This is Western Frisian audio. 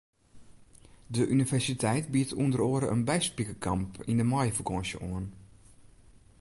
De universiteit biedt ûnder oare in byspikerkamp yn de maaiefakânsje oan.